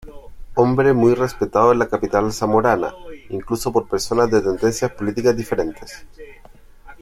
Hombre muy respetado en la capital zamorana, incluso por personas de tendencias políticas diferentes.